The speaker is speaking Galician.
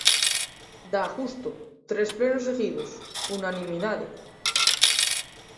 Dá gusto, tres plenos seguidos: unanimidade.